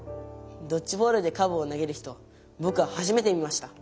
ドッジボールでカーブをなげる人ぼくははじめて見ました。